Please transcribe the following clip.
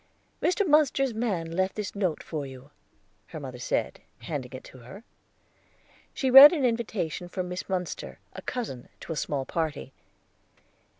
"Mr. Munster's man left this note for you," her mother said, handing it to her. She read an invitation from Miss Munster, a cousin, to a small party.